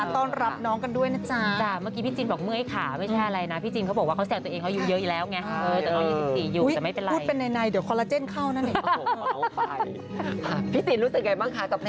๑๑ตุลาคมที่จะถึงนี้นะครับ